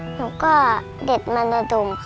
หนูก็เด็ดมาณดึง